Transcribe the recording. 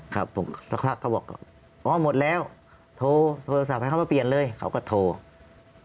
ครับผมสักพักเขาบอกอ๋อหมดแล้วโทรโทรศัพท์ให้เขามาเปลี่ยนเลยเขาก็โทร